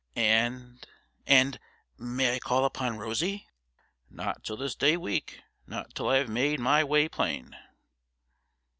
'And and may I call upon Rosie!' 'Not till this day week not till I have made my way plain.'